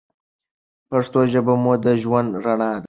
پښتو ژبه مو د ژوند رڼا ده.